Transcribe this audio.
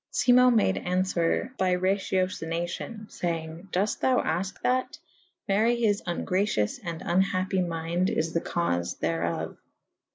Simo made aunfwere by raciocinacion / iay enge / doite thou afke that : mary his vngracious and vnhappy mynd is the caufe therof.